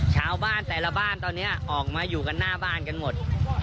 ชาวบ้านแต่ละบ้านตอนนี้ออกมาอยู่กันหน้าบ้านกันหมด